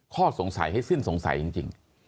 ข้อสงสัยให้สิ้นสงสัยจริง